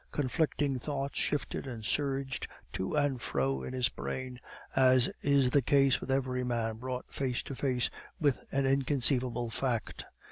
Conflicting thoughts shifted and surged to and fro in his brain, as is the case with every man brought face to face with an inconceivable fact.